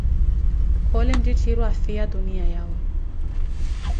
́Khoole nttitthiiru afhiya tuniya yawe`.